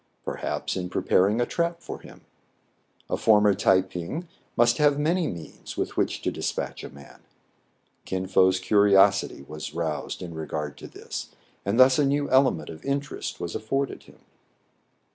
Perhaps in preparing a trap for him. A former Tai ping must have many means with which to despatch a man. Kin Fo's curiosity was roused in regard to this, and thus a new element of interest was afforded him.